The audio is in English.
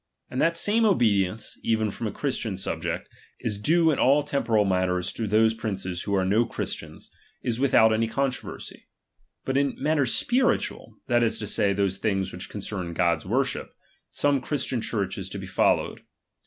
And that the same obedience, even from a Christian subject, is due in all temporal matters to those princes who are no Christians, is without any controversy ; but in mat ters spiritual, that is to say, those things which concern God's worship, some Christian Church is to be followed.